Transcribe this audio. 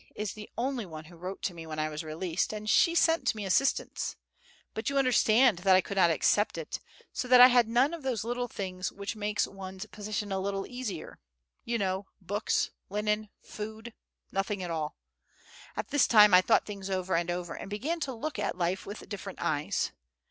is the only one who wrote to me when I was released, and she sent me assistance; but you understand that I could not accept it, so that I had none of those little things which make one's position a little easier, you know, books, linen, food, nothing at all. At this time I thought things over and over, and began to look at life with different eyes.